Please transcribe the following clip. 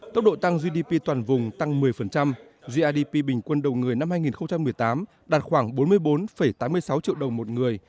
tốc độ tăng gdp toàn vùng tăng một mươi grdp bình quân đầu người năm hai nghìn một mươi tám đạt khoảng bốn mươi bốn tám mươi sáu triệu đồng một người